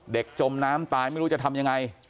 จมน้ำตายไม่รู้จะทำยังไง